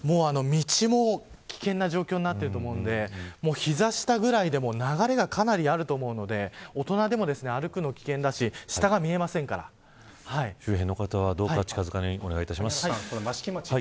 道も危険な状況になってると思うので膝下ぐらいでも流れが、かなりあると思うので大人でも歩くの危険だし周辺の方はどうか近づかないようにお願いします。